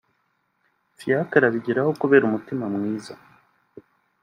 Fiacre abigeraho kubera umutima mwiza